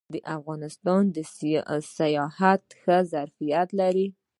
افغانستان د سیاحت ښه ظرفیت لري